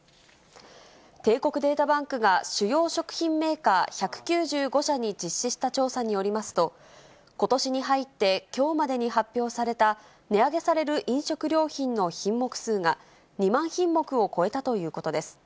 帝国データバンクが主要食品メーカー１９５社に実施した調査によりますと、ことしに入ってきょうまでに発表された値上げされる飲食料品の品目数が、２万品目を超えたということです。